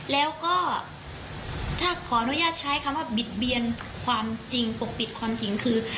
แล้วก็ถ้าขออนุญาตใช้คำว่าบิดเบียนความจริงปกปิดความจริงคือ